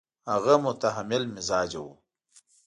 هغه متحمل مزاجه وو.